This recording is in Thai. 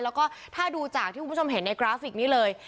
แล้วก็ถ้าดูจากที่คุณผู้ชมเห็นในกราฟิกนี้เลย